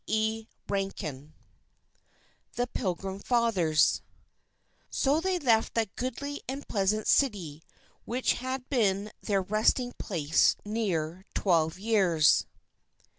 E. RANKIN THE PILGRIM FATHERS _So they left that goodly and pleasant city which had been their resting place near twelve years.